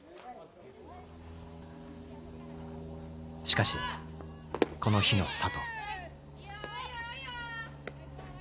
しかしこの日の里。